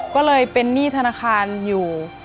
ก็เลยเป็นหนี้ธนาคารอยู่